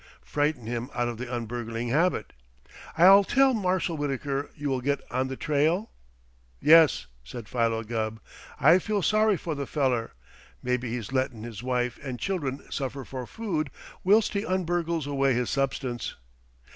Frighten him out of the un burgling habit. I'll tell Marshal Wittaker you will get on the trail?" "Yes," said Philo Gubb. "I feel sorry for the feller. Maybe he's lettin' his wife and children suffer for food whilst he un burgles away his substance."